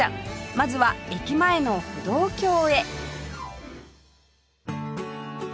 まずは駅前の歩道橋へ